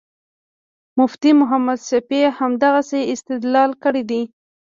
مفتي محمد شفیع همدغسې استدلال کړی دی.